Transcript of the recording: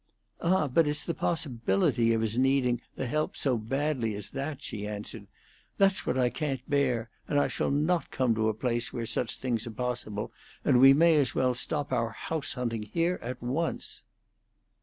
"Ah, but it's the possibility of his needing the help so badly as that," she answered. "That's what I can't bear, and I shall not come to a place where such things are possible, and we may as well stop our house hunting here at once."